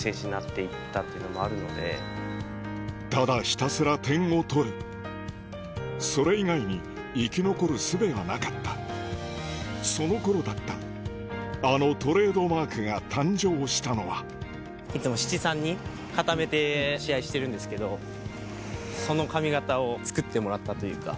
ただひたすら点を取るそれ以外に生き残るすべがなかったその頃だったあのトレードマークが誕生したのはその髪形を作ってもらったというか。